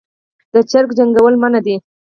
د چرګ جنګول منع دي